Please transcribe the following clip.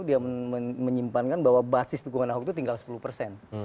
dia menyimpankan bahwa basis dukungan ahok itu tinggal sepuluh persen